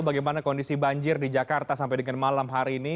bagaimana kondisi banjir di jakarta sampai dengan malam hari ini